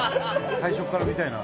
「」「最初から見たいな」